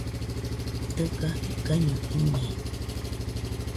Dɨga ikaiño ine